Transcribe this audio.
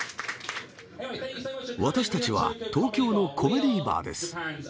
私たちは東京のコメディーバーです。